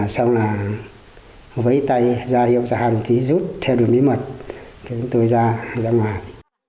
xong là với tay ra hiệu giả hàng thí rút theo đường bí mật thì tôi ra ngoài